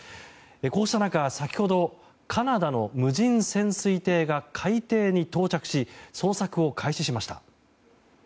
こうした中、先ほどカナダの無人潜水艇が海底に到着し捜索を開始しました。